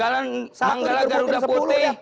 manggala garuda putih